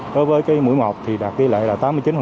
đối với cái mũi một thì đạt kỳ lệ là tám mươi chín